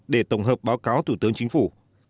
để tổng hợp báo cáo thủ tướng chính phủ